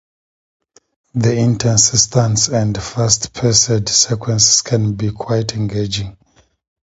The intense stunts and fast-paced sequences can be quite engaging.